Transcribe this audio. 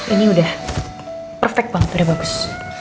ini udah perfect banget udah bagus